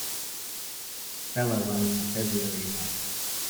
Feller runs the February months.